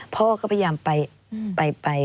พ่อก็พยายามไป